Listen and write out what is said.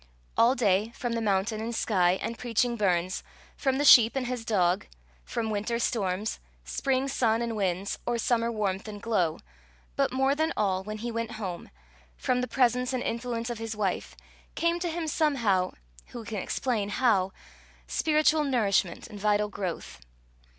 All day, from the mountain and sky and preaching burns, from the sheep and his dog, from winter storms, spring sun and winds, or summer warmth and glow, but more than all, when he went home, from the presence and influence of his wife, came to him somehow who can explain how! spiritual nourishment and vital growth.